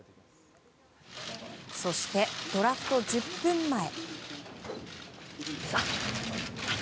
そしてドラフト１０分前。